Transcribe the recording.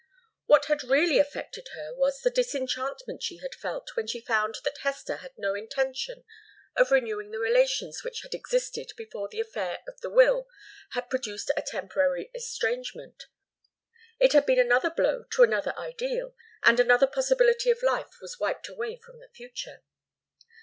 What had really affected her was the disenchantment she had felt when she found that Hester had no intention of renewing the relations which had existed before the affair of the will had produced a temporary estrangement. It had been another blow to another ideal, and another possibility of life was wiped away from the future.